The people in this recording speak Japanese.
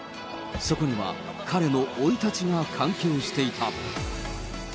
そこには、彼の生い立ちが関係していた。